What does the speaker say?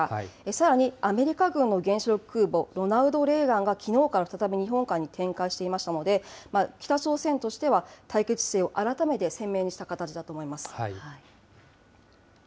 さらにアメリカ軍の原子力空母、ロナルド・レーガンがきのうから再び日本海に展開していましたので、北朝鮮としては、対決姿勢を改めて鮮明にした形だと思います。